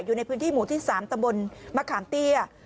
อยู่ในพื้นที่หมู่ที่๓ตะบนมะขามเตี้ย